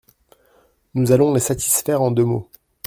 Nous allons les satisfaire en deux mots.